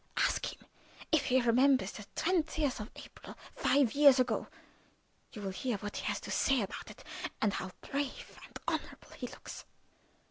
Ask him if he remembers the 20th of April five years ago; you will hear what he has to say about it, and how brave and honorable he looks."